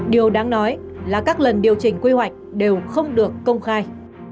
điều đáng nói là các lần điều chỉnh quy hoạch đều không được công khai